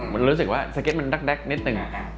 มันรู้สึกว่าสเก็ตมันแด๊กนิดนึง